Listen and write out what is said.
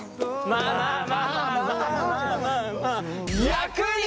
まあまあまあまあ。